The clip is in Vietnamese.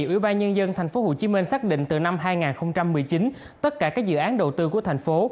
ủy ban nhân dân tp hcm xác định từ năm hai nghìn một mươi chín tất cả các dự án đầu tư của thành phố